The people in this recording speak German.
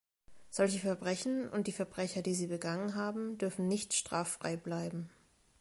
Solche Verbrechen und die Verbrecher, die sie begangen haben, dürfen nicht straffrei bleiben!